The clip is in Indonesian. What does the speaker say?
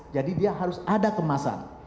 jadi dia harus ada kemasan